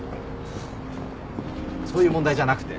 ハァそういう問題じゃなくて。